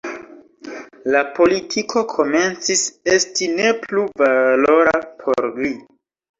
La politiko komencis esti ne plu valora por li.